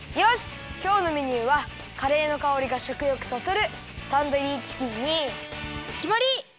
きょうのメニューはカレーのかおりがしょくよくそそるタンドリーチキンにきまり！